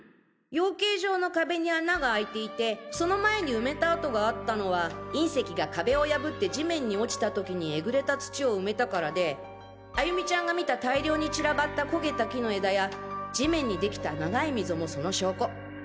養鶏場の壁に穴が開いていてその前に埋めた跡があったのは隕石が壁を破って地面に落ちた時に抉れた土を埋めたからで歩美ちゃんが見た大量に散らばった焦げた木の枝や地面に出来た長い溝もその証拠。